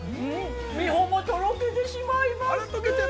美穂もとろけてしまいます。